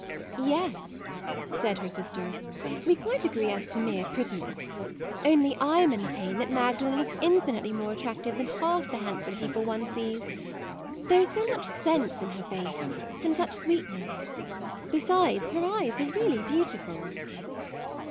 " Yes," said her sister, " we quite agree as to mere prettiness, only I 34 MAUDE maintain that Magdalen is infinitely more attractive than half the hand some people one sees. There is so much sense in her face, and such sweetness. Besides, her eyes are really beautiful."